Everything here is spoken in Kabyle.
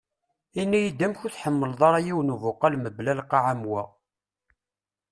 Ini-yi-d amek ur tḥemleḍ ara yiwen ubuqal mebla lqaɛ am wa.